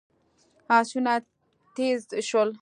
آسونه تېز شول.